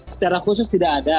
secara khusus tidak ada